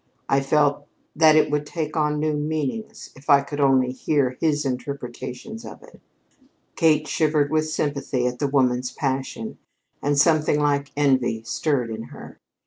I felt that it would take on new meanings if I could only hear his interpretations of it." Kate shivered with sympathy at the woman's passion, and something like envy stirred in her.